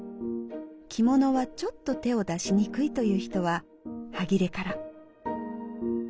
着物はちょっと手を出しにくいという人はハギレから。